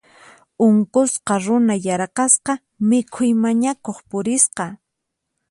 Unqusqa runa yaraqasqa mikhuy mañakuq purisqa.